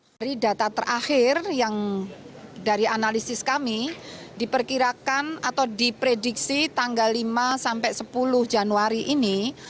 dari data terakhir yang dari analisis kami diperkirakan atau diprediksi tanggal lima sampai sepuluh januari ini